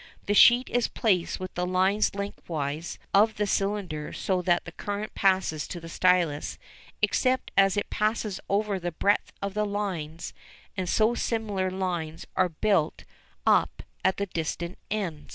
The sheet is placed with the lines lengthwise of the cylinder so that current passes to the stylus except as it passes over the breadth of the lines, and so similar lines are built up at the distant end.